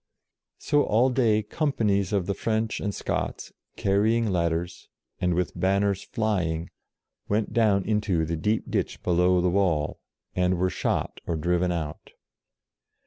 So all day companies of the French and Scots, carrying ladders, and with banners flying, went down into the deep ditch below the wall, and were shot or driven out.